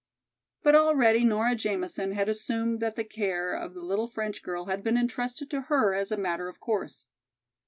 But already Nora Jamison had assumed that the care of the little French girl had been entrusted to her as a matter of course.